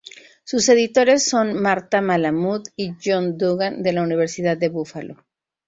Sus editores son Marta Malamud y John Dugan de la Universidad de Búfalo.